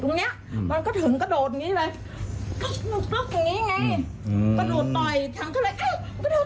ดูยังไงกับลูกมีอะไร